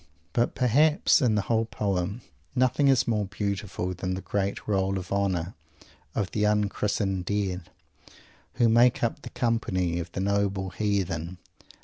But perhaps in the whole poem nothing is more beautiful than that great roll of honor of the unchristened Dead, who make up the company of the noble Heathen.